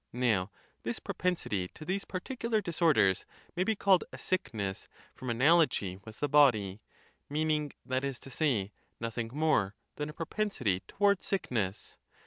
Now this propensity to these particular disorders may be called a sickness from analogy with the body; meaning, that is to say, nothing more than a pro pensity towards sickness.